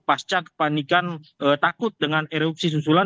pasca kepanikan takut dengan erupsi susulan